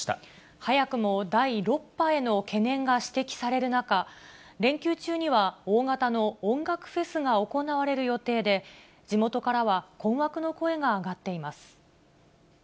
早くも第６波への懸念が指摘される中、連休中には大型の音楽フェスが行われる予定で、地元からは困惑の声が上がっています。